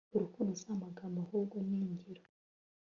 urukundo samagambo ahubwo ni ngiro